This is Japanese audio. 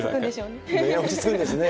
落ち着くんですね。